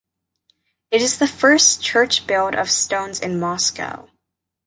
It is the first church build of stones in Moscow.